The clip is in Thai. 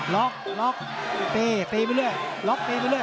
ล็อกล็อกตีตีไปเรื่อยล็อกตีไปเรื